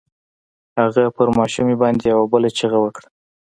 هغه په ماشومې باندې يوه بله چيغه وکړه.